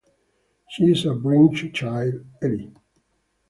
She’s a bright child, Eli.